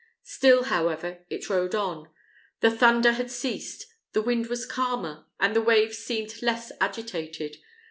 Still, however, it rowed on. The thunder had ceased, the wind was calmer, and the waves seemed less agitated.